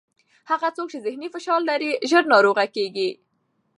هغه څوک چې ذهني فشار لري، ژر ناروغه کېږي.